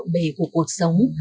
về cuộc cuộc sống